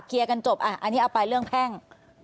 เคลียร์กันจบอันนี้เอาไปเรื่องแพ่ง